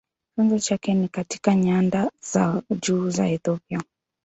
Chanzo chake ni katika nyanda za juu za Ethiopia.